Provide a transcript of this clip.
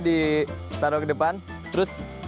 ditaruh ke depan terus